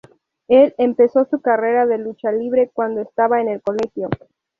Él empezó su carrera de lucha libre cuando estaba en el colegio.